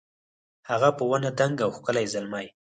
هغه په ونه دنګ او ښکلی زلمی